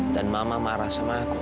dan mama marah sama aku